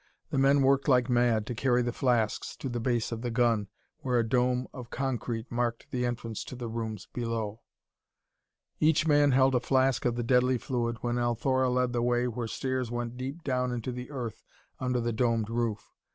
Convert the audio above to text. The men worked like mad to carry the flasks to the base of the gun, where a dome of concrete marked the entrance to the rooms below. Each man held a flask of the deadly fluid when Althora led the way where stairs went deep down into the earth under the domed roof.